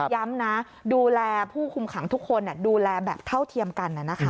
ย้ำนะดูแลผู้คุมขังทุกคนดูแลแบบเท่าเทียมกัน